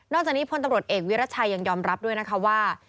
จากนี้พลตำรวจเอกวิรัชัยยังยอมรับด้วยนะคะว่า